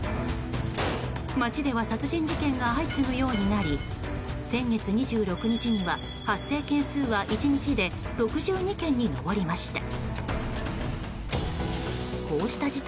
街では殺人事件が相次ぐようになり先月２６日には、発生件数は１日で６２件に上りました。